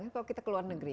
kalau kita ke luar negeri